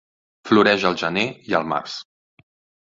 Floreix al gener i al març.